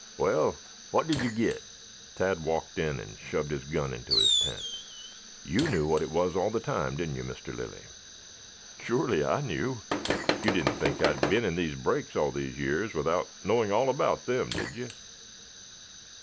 Well, what did you get?" Tad walked in and shoved his gun into his tent. "You knew what it was all the time, didn't you, Mr. Lilly?" "Surely I knew. You didn't think I had been in these brakes all these years without knowing all about them, did you?"